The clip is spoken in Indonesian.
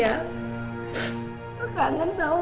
aku kangen tau